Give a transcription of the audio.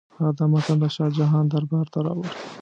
هغه دا متن د شاه جهان دربار ته راوړ.